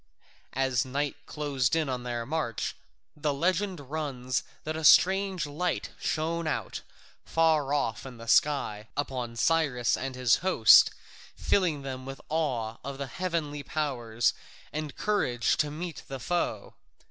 As night closed in on their march, the legend runs that a strange light shone out, far off in the sky, upon Cyrus and his host, filling them with awe of the heavenly powers and courage to meet the foe.